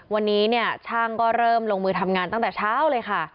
วันนี้เนี่ยช่างก็เริ่มลงมือทำงานตั้งแต่เช้าเลยค่ะ